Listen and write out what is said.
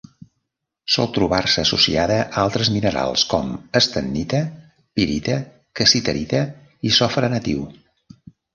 Sol trobar-se associada a altres minerals com: estannita, pirita, cassiterita i sofre natiu.